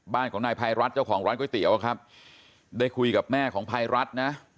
บ้านของนายภัยรัฐเจ้าของร้านก๋วยเตี๋ยวครับได้คุยกับแม่ของภัยรัฐนะ